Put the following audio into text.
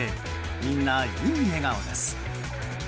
みんな、いい笑顔です。